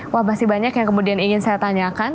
wah masih banyak yang kemudian ingin saya tanyakan